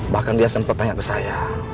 bahkan dia sempat tanya ke saya